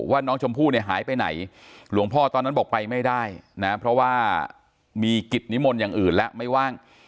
ว่าน้องชมพู่เนี่ยหายไปไหนหลวงพ่อตอนนั้นบอกไปไม่ได้นะเพราะว่ามีกิจนิมนต์อย่างอื่นและไม่ว่าง